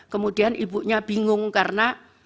kemudian ibunya bingung karena